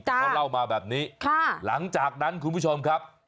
เขาเล่ามาแบบนี้หลังจากนั้นคุณผู้ชมครับ